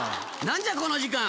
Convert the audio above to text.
何じゃこの時間。